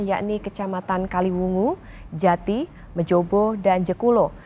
yakni kecamatan kaliwungu jati mejobo dan jekulo